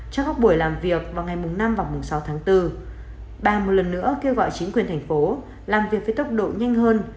trong các buổi làm việc vào ngày năm và sáu tháng bốn bà một lần nữa kêu gọi chính quyền thành phố làm việc với tốc độ nhanh hơn